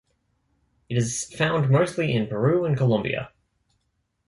It is found mostly in Peru and Colombia.